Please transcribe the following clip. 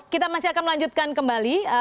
kita masih akan melanjutkan kembali